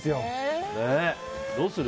どうする？